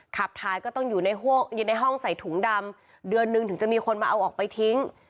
ขับท้ายก็ต้องอยู่ในห้องใส่ถุงดำเดือนนึงถึงจะมีคนมาเอาออกไปทิ้ง